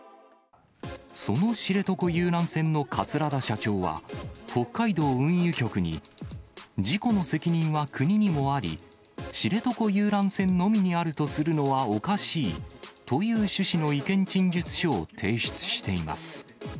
その知床遊覧船の桂田社長は、北海道運輸局に、事故の責任は国にもあり、知床遊覧船のみにあるとするのはおかしいという趣旨の意見陳述書を提出しています。